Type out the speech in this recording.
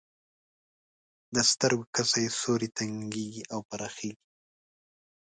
د سترګو کسي سوری تنګیږي او پراخیږي.